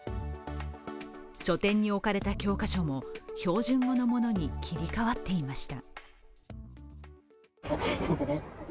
書店に置かれた教科書も標準語のものに切り替わっていました。